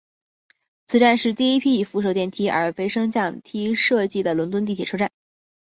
此站是第一批以扶手电梯而非升降机设计的伦敦地铁车站。